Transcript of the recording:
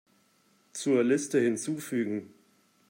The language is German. Zur Liste hinzufügen.